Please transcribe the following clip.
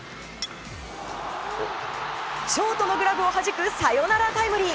ショートのグラブをはじくサヨナラタイムリー。